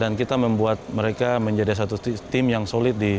dan kita membuat mereka menjadi satu tim yang solid di papua